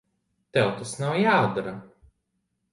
Tev tas nav jādara.